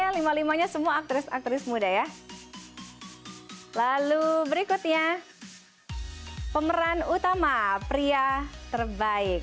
baik aktris aktris muda e lima puluh lima nya semua aktris aktris muda ya lalu berikutnya pemeran utama pria terbaik